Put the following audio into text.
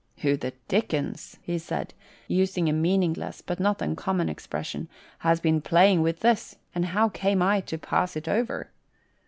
" Who the dickens," he said, using a meaningless, but not uncommon expression, "has been playing with this; and how came I to pass it over?"